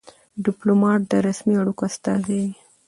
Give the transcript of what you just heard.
ډيپلومات د رسمي اړیکو استازی وي.